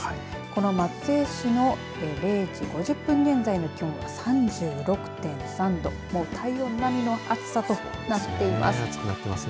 この松江市の０時５０分現在の気温は３６．３度、体温並みの暑さとなっています。